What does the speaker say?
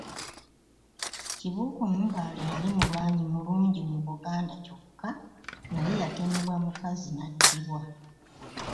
Kibuuka Omumbaale yali mulwanyi mulungi mu Buganda kyokka naye yakemebwa mukazi nattibwa.